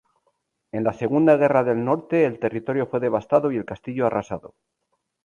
En la Segunda Guerra del Norte el territorio fue devastado y el castillo arrasado.